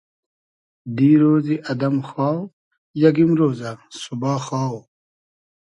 دیرۉزی ادئم خاو ، یئگ ایمرۉزۂ ، سوبا خاو